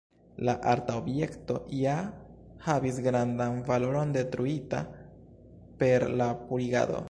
La arta objekto ja havis grandan valoron, detruita per la purigado.